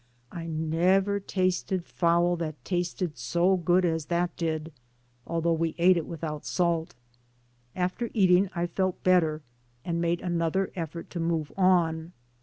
"I never tasted fowl that tasted so good as that did, although we ate it without salt. After eating I felt better, and made another effort to move on.